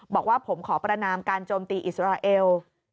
บอกว่าผมขอประนามการโจมตีอิสราเอล